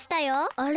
あれ？